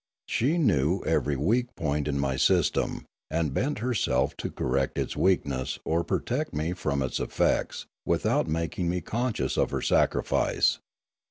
She knew every weak point in my system, and bent herself to correct its weakness or protect me from its effects without making me conscious of her sacrifice.